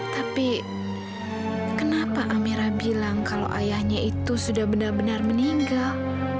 tapi kenapa amera bilang kalau ayahnya itu sudah benar benar meninggal